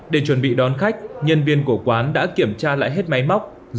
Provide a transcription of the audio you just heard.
để chuẩn bị đón khách nhân viên của quán đã kiểm tra lại các thiết bị điện tử của quán karaoke này